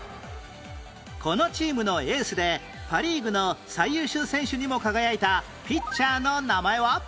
このチームのエースでパ・リーグの最優秀選手にも輝いたピッチャーの名前は？